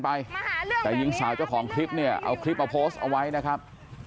มาหาเรื่องแบบนี้แต่หญิงสาวเจ้าของคลิปเนี้ยเอาคลิปมาโพสเอาไว้นะครับ